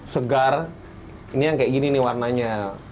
segar ini yang kayak gini nih warnanya